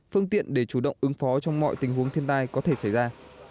phương tiện để chủ động ứng phó trong mọi tình huống thiên tai có thể xảy ra